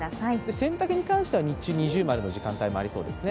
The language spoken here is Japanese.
洗濯に関しては日中◎の時間帯もありそうですね。